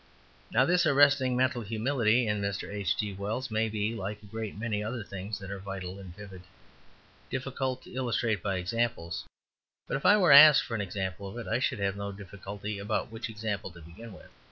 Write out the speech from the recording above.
Now, this arresting, mental humility in Mr. H. G. Wells may be, like a great many other things that are vital and vivid, difficult to illustrate by examples, but if I were asked for an example of it, I should have no difficulty about which example to begin with.